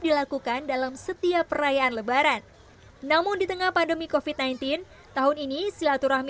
dilakukan dalam setiap perayaan lebaran namun di tengah pandemi kofit sembilan belas tahun ini silaturahmi